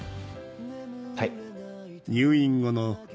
はい。